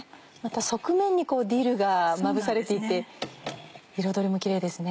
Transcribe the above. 側面にディルがまぶされていて彩りもキレイですね。